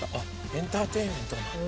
エンターテインメントなんだ。